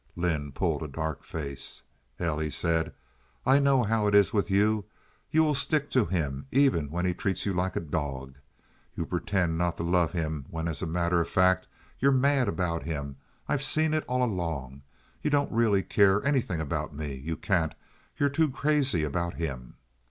Lynde pulled a dark face. "Hell!" he said. "I know how it is with you. You still stick to him, even when he treats you like a dog. You pretend not to love him when as a matter of fact you're mad about him. I've seen it all along. You don't really care anything about me. You can't. You're too crazy about him."